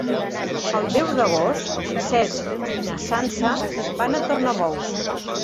El deu d'agost en Cesc i na Sança van a Tornabous.